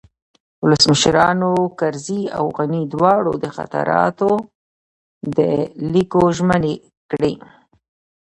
ولسمشرانو کرزي او غني دواړو د خاطراتو د لیکلو ژمني کړې